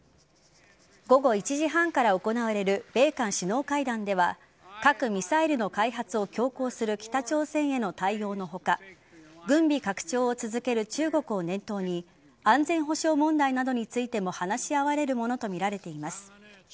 午後１時半から行われる米韓首脳会談では核・ミサイルの開発を強行する北朝鮮への対応の他軍備拡張を続ける中国を念頭に安全保障問題などについても話し合われるものとみられています。